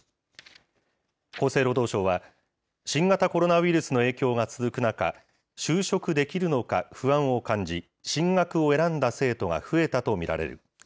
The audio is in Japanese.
厚生労働省は、新型コロナウイルスの影響が続く中、就職できるのか不安を感じ、進学を選んだ生徒が増えたと見られる。